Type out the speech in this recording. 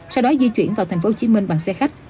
sau đó di chuyển vào tp hcm bằng sạch